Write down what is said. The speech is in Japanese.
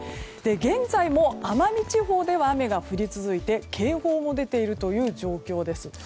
現在も奄美地方では雨が降り続いて警報も出ている状況です。